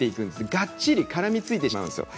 がっちり絡みついてしまうんです。